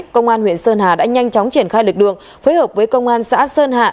công an huyện sơn hà đã nhanh chóng triển khai lực lượng phối hợp với công an xã sơn hạ